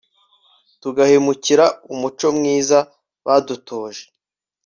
tugahemukira umuco mwiza badutoje